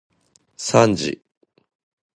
さんじ